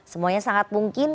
semuanya sangat mungkin